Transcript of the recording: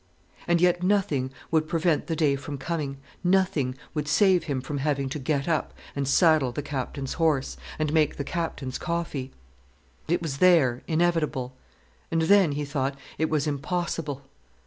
And yet nothing would prevent the day from coming, nothing would save him from having to get up and saddle the Captain's horse, and make the Captain's coffee. It was there, inevitable. And then, he thought, it was impossible.